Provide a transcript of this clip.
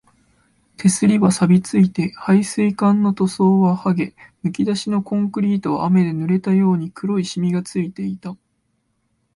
手すりは錆ついて、配水管の塗装ははげ、むき出しのコンクリートは雨で濡れたように黒いしみがついていた